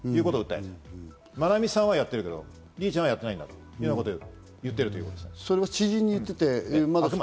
愛美さんはやってるけど、リリィちゃんはやってないんだということを言っているということです。